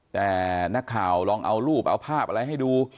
แต่นักข่าวลองเอารูปเอาภาพอะไรให้ดู